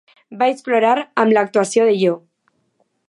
Vaig plorar amb l'actuació de Jo.